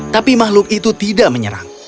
tapi makhluk itu tidak menyerang